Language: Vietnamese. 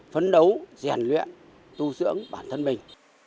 phấn đấu rèn luyện tu dưỡng bản thân mình